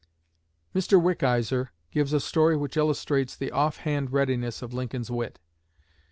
Mr. Wickizer gives a story which illustrates the off hand readiness of Lincoln's wit.